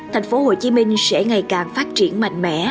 thành phố hồ chí minh sẽ ngày càng phát triển mạnh mẽ